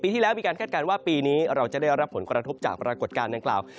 ที่แล้วมีการคาดการณ์ว่าปีนี้เราจะได้รับผลกระทบจากปรากฏการณ์ดังกล่าว